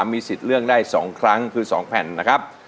มีสิทธิ์เลือกได้๒ครั้งคือ๒แผ่นนะครับ